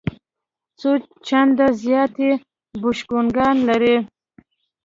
څو چنده زیات یې بوشونګان لري.